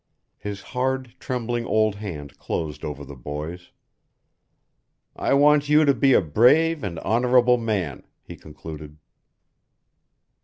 His hard, trembling old hand closed over the boy's. "I want you to be a brave and honourable man," he concluded.